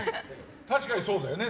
確かにそうだよね。